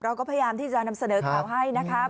เราก็พยายามที่จะนำเสนอข่าวให้นะครับ